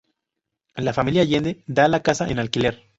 La familia Allende da la casa en alquiler.